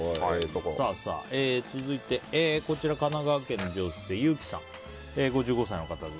続いて神奈川県の女性、５５歳の方。